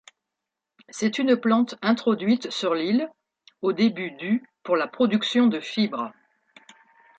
C'est une plante introduite sur l'île au début du pour la production de fibres.